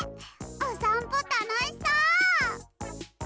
おさんぽたのしそう！